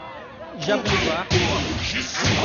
Japonvar